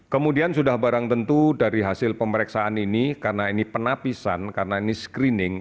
kemudian sudah barang tentu dari hasil pemeriksaan ini karena ini penapisan karena ini screening